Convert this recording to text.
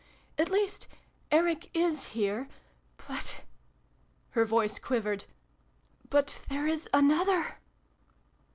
"At least Eric is here. But ," her voice quivered, " but there is another